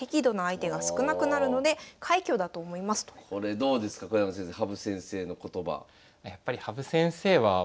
これどうですか小山先生羽生先生の言葉。